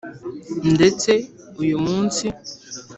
ndetse uyu munsi